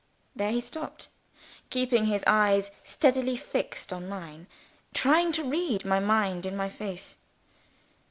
There he stopped; keeping his eyes steadily fixed on mine, trying to read my mind in my face.